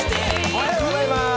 おはようございます。